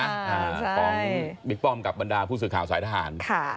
อ่าของบิ๊กป้อมกับบรรดาผู้สื่อข่าวสายทหารค่ะ